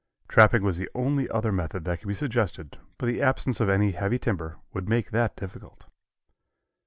Trapping was the only other method that could be suggested, but the absence of any heavy timber would make that difficult.